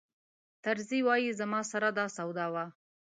طرزي وایي زما سره دا سودا وه.